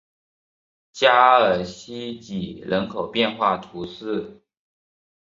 加尔希济人口变化图示